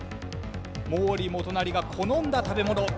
毛利元就が好んだ食べ物。